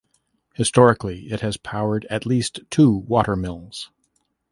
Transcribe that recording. Historically is has powered at least two watermills.